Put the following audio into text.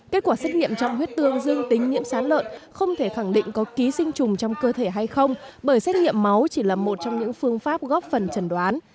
kết quả xét nghiệm trong huyết tương dương tính nhiễm sán lợn không thể khẳng định có ký sinh trùng trong cơ thể hay không bởi xét nghiệm máu chỉ là một trong những phương pháp góp phần trần đoán